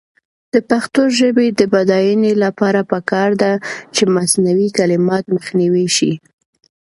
د پښتو ژبې د بډاینې لپاره پکار ده چې مصنوعي کلمات مخنیوی شي.